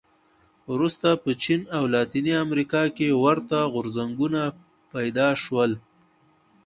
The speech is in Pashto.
وروسته په چین او لاتینې امریکا کې ورته غورځنګونه پیدا شول.